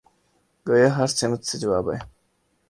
گویا ہر سمت سے جواب آئے